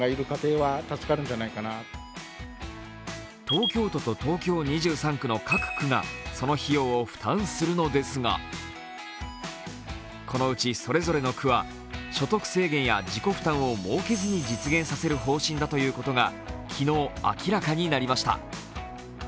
東京都と東京２３区の各区がその費用を負担するのですがこのうち、それぞれの区は所得制限や自己負担を設けずに実現させる方針だということが昨日、明らかになりました。